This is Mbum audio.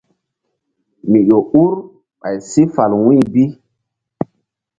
Mi ƴo ur ɓay si fal wu̧y bi.